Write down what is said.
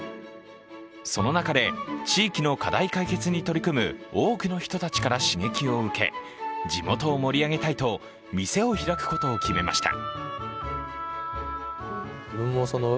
その中で地域の課題解決に取り組む多くの人たちから刺激を受け、地元を盛り上げたいと店を開くことを決めました。